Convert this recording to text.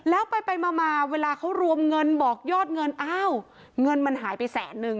แล้วไปมาเวลาเขารวมเงินบอกยอดเงินอ้าวเงินมันหายไปแสนนึง